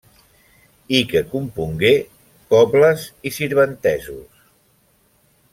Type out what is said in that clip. I que compongué cobles i sirventesos.